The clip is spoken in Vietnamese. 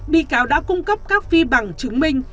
bị cáo đã cung cấp các phi bằng chứng minh